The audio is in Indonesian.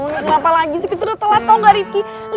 gapapa lagi sih kita udah telat tau gak rifki